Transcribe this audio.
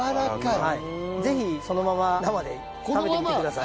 ぜひそのまま生で食べてみてください。